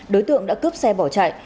đối tượng đã cướp xe bỏ chạy